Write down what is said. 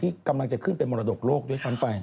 กำลังจะขึ้นเป็นมรดกโลกด้วยซ้ำไป